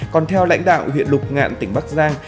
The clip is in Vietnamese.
còn theo lãnh đạo huyện lục ngạn tỉnh bắc giang